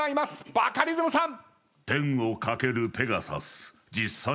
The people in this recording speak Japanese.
バカリズムさん！